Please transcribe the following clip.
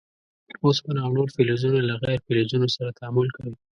اوسپنه او نور فلزونه له غیر فلزونو سره تعامل کوي.